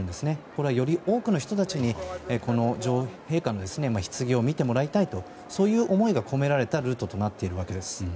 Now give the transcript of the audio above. これは、より多くの人たちに女王陛下のひつぎを見てもらいたいという思いが込められたルートとなっているわけです。